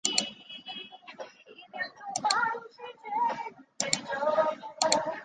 担任中国工商银行温州分行营业部副总经理。